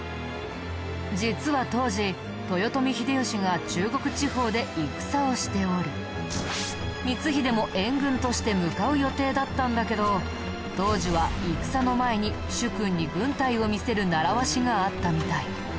実は当時豊臣秀吉が中国地方で戦をしており光秀も援軍として向かう予定だったんだけど当時は戦の前に主君に軍隊を見せる習わしがあったみたい。